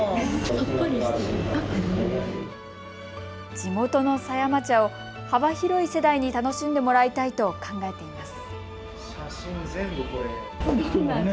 地元の狭山茶を幅広い世代に楽しんでもらいたいと考えています。